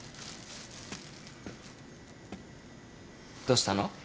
どうしたの？